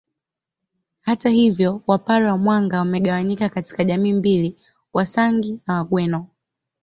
Hata hivyo Wapare wa Mwanga wamegawanyika katika jamii mbili Wasangi na Wagweno